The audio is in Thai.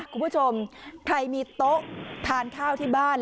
คุณผู้ชมใครมีโต๊ะทานข้าวที่บ้าน